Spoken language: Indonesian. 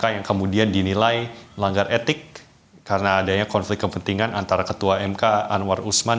yang kemudian dinilai melanggar etik karena adanya konflik kepentingan antara ketua mk anwar usman